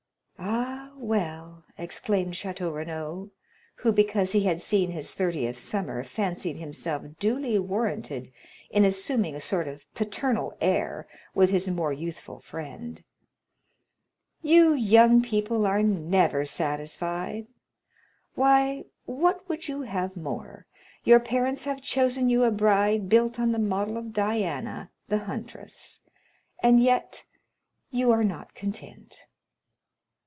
"Ah, well," exclaimed Château Renaud, who because he had seen his thirtieth summer fancied himself duly warranted in assuming a sort of paternal air with his more youthful friend, "you young people are never satisfied; why, what would you have more? your parents have chosen you a bride built on the model of Diana, the huntress, and yet you are not content."